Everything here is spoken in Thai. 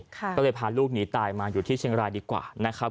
ก็เลยพาลูกหนีตายมาอยู่ที่เชียงรายดีกว่านะครับ